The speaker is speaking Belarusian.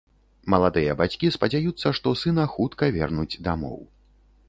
Маладыя бацькі спадзяюцца, што сына хутка вернуць дамоў.